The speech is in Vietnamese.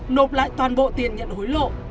nộp lại toàn bộ tiền nhận hối lộ